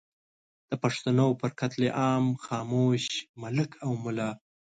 د پښتنو پر قتل عام خاموش ملک او ملا